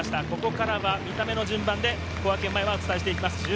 ここからが見た目の順番で小涌園前はお伝えしていきます。